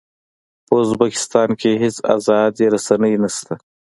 په ازبکستان کې هېڅ ازادې رسنۍ نه شته.